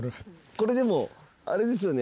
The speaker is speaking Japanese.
これでもあれですよね？